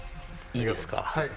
いいですか？